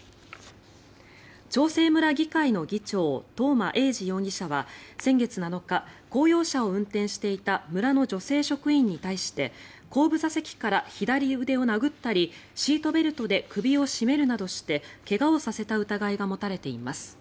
長生村議会の議長東間永次容疑者は先月７日公用車を運転していた村の女性職員に対して後部座席から左腕を殴ったりシートベルトで首を絞めるなどして怪我をさせた疑いが持たれています。